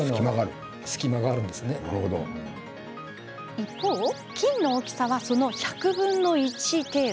一方、菌の大きさはその１００分の１程度。